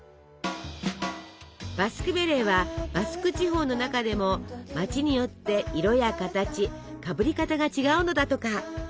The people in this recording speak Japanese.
バスクベレーはバスク地方の中でも街によって色や形かぶり方が違うのだとか。